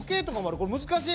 これ難しい！